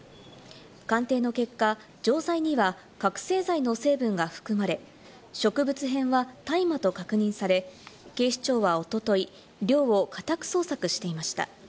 鑑定の結果、錠剤には覚醒剤の成分が含まれ、植物片は大麻と確認され、警視庁はおととい、寮を家宅捜索していました。